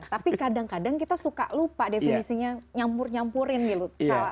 tapi kadang kadang kita suka lupa definisinya nyampur nyampurin gitu